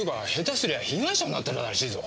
すりゃ被害者になってたらしいぞ。